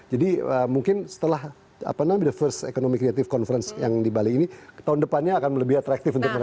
jadi mungkin setelah the first economic creative conference yang di bali ini tahun depannya akan lebih atraktif untuk mereka